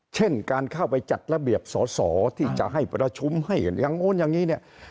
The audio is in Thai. เช่นการเข้าไปจัดระเบียบสอสอที่จะให้ประชุมให้อย่างนู้นอย่างนี้เนี่ย